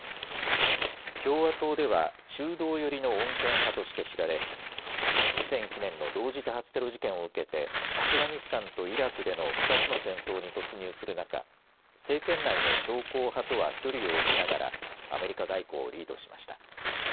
共和党では中道寄りの穏健派として知られ２００１年の同時多発テロ事件を受けてアフガニスタンとイラクでの２つの戦争に突入する中政権内の強硬派とは距離を置きながらアメリカ外交をリードしました。